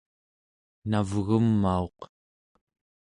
navgumauq